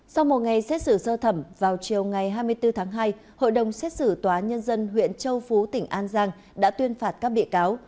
sau một ngày xét xử sơ thẩm vào chiều ngày hai mươi bốn tháng hai hội đồng xét xử tòa nhân dân huyện châu phú tỉnh an giang đã tuyên phạt các bị cáo